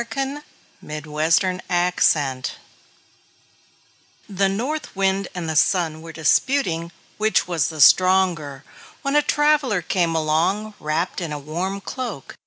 Orthographic version The North Wind and the Sun were disputing which was the stronger, when a traveler came along wrapped in a warm cloak.